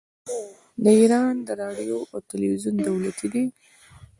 د ایران راډیو او تلویزیون دولتي دي.